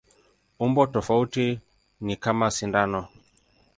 Umbo tofauti ni kama sindano.